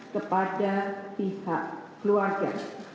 kepada pihak keluarga